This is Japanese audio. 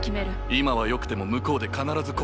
今はよくても向こうで必ず後悔する。